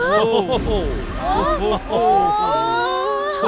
โอ้โห